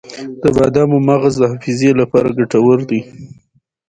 د بادامو مغز د حافظې لپاره ګټور دی.